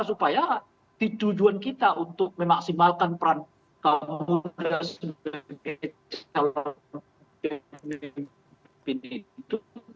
supaya tujuan kita untuk memaksimalkan peran kaum muda sebagai seluruh pendidikan